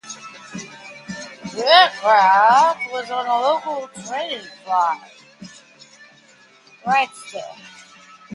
The aircraft was on a local training flight.